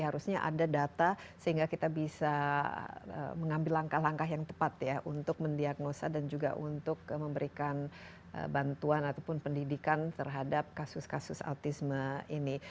harusnya ada data sehingga kita bisa mengambil langkah langkah yang tepat ya untuk mendiagnosa dan juga untuk memberikan bantuan ataupun pendidikan terhadap kasus kasus autisme ini